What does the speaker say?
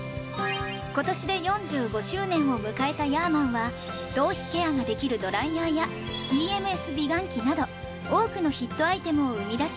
今年で４５周年を迎えたヤーマンは頭皮ケアができるドライヤーやＥＭＳ美顔器など多くのヒットアイテムを生み出し